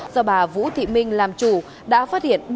do bà vũ thị minh làm chủ đã phát hiện